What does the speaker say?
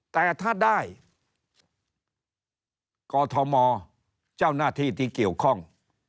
แต่ถ้าได้กอทมเจ้าหน้าที่ที่เกี่ยวข้อง